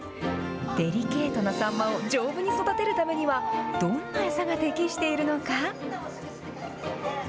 デリケートなサンマを丈夫に育てるためには、どんな餌が適しているのか。